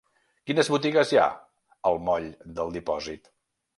Quines botigues hi ha al moll del Dipòsit?